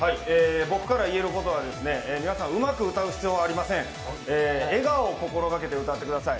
僕から言えることは皆さんうまく歌う必要はありません、笑顔を心がけて歌ってください。